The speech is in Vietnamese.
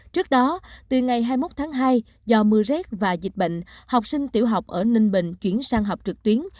trước đó từ ngày hai mươi một tháng hai do mưa rét và dịch bệnh học sinh tiểu học ở ninh bình chuyển sang học trực tuyến